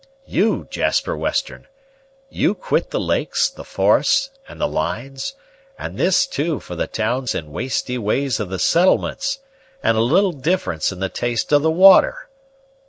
"You, Jasper Western! you quit the lakes, the forests, and the lines; and this, too, for the towns and wasty ways of the settlements, and a little difference in the taste of the water.